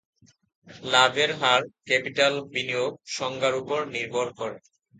লাভের হার "ক্যাপিটাল বিনিয়োগ" সংজ্ঞার উপর নির্ভর করে।